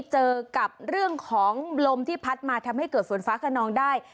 เจอกับเรื่องของลมที่พัดมาทำให้เกิดฝนฟ้าขนองได้